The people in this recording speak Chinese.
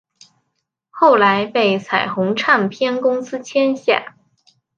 后来被彩虹唱片公司签下。